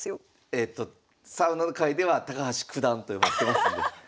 えとサウナ界では高橋九段と呼ばれてますんで。